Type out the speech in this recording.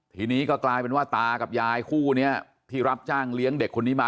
ทีนี้ก็กลายเป็นว่าตากับยายคู่นี้ที่รับจ้างเลี้ยงเด็กคนนี้มา